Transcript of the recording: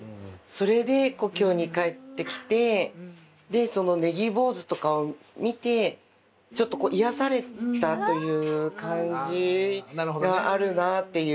それで故郷に帰ってきてでその葱坊主とかを見てちょっと癒やされたという感じがあるなっていう。